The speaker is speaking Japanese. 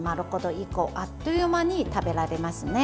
１個あっという間に食べられますね。